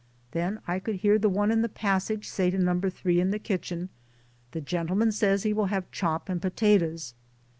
Then I could hear the one in the passage say to No. 3 in the kitchen " The gentleman says he will have chop and potatoes."